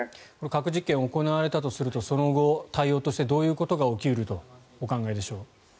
核実験が行われたとするとその後、対応としてどういうことが起き得るとお考えでしょう。